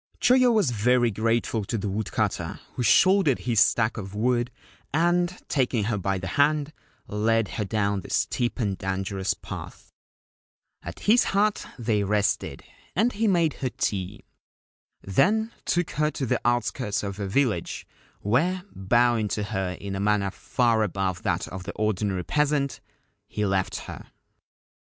Choyo was very grateful to the woodcutter, who 210 A Story of Mount Kanzanrei shouldered his stack of wood, and, taking her by the hand, led her down the steep and dangerous path. At his hut they rested, and he made her tea ; then took her to the outskirts of her village, where, bowing to her in a manner far above that of the ordinary peasant, he left her.